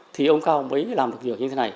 thì ông cao mới làm được việc như thế này